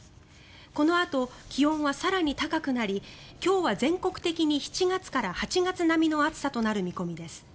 このあと気温は更に高くなり今日は全国的に７月から８月並みの暑さとなる見込みです。